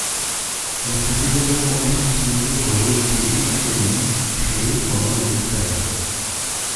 Elle peut également être utilisée pour jeter excès des liquides crée pendant les expériences.